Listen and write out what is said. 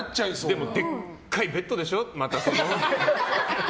でもでっかいベッドでしょ？